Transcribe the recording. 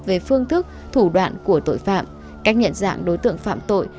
về phương thức thủ đoạn của tội phạm cách nhận dạng đối tượng phạm tội